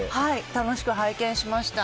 楽しく拝見しました。